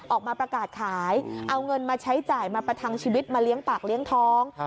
ออกมาประกาศขายเอาเงินมาใช้จ่ายมาประทังชีวิตมาเลี้ยงปากเลี้ยงท้อง